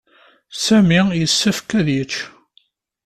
Sami yessefk ad yečč.